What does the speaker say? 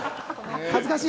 恥ずかしい！